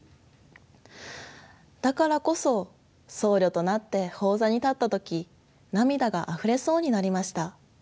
だからこそ僧侶となって法座に立った時涙があふれそうになりました。